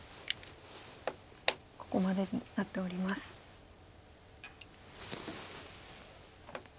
ここまでになっております。